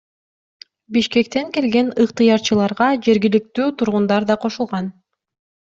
Бишкектен келген ыктыярчыларга жергиликтүү тургундар да кошулган.